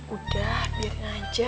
udah biarin aja